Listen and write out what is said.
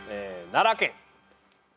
「奈良県」